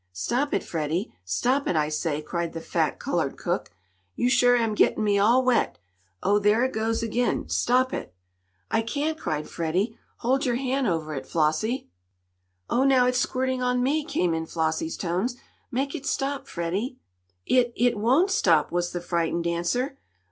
"Stop it, Freddie. Stop it, I say!" cried the fat, colored cook. "Yo' suah am gittin' me all wet! Oh, there it goes ag'in! Stop it!" "I I can't!" cried Freddie. "Hold your hand over it, Flossie!" "Oh, now it's squirting on me!" came in Flossie's tones. "Make it stop, Freddie." "It it won't stop!" was the frightened answer.